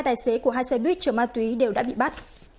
cả hai tài xế của hai xe buýt chở ma túy đã bị bắt